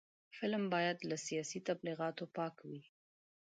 فلم باید له سیاسي تبلیغاتو پاک وي